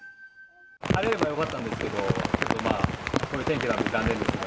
晴れればよかったんですけれども、ちょっとこの天気なんで残念ですが。